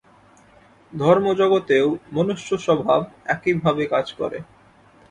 ধর্ম-জগতেও মনুষ্য-স্বভাব একইভাবে কাজ করে।